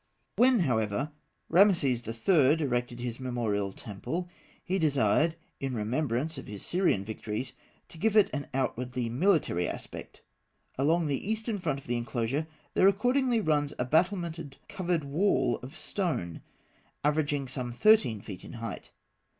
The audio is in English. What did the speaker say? When, however, Rameses III. erected his memorial temple (figs. 40 and 41), he desired, in remembrance of his Syrian victories, to give it an outwardly military aspect. Along the eastward front of the enclosure there accordingly runs a battlemented covering wall of stone, averaging some thirteen feet in height.